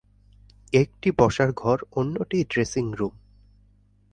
একটি বসার ঘর, অন্যটি ড্রেসিং রুম।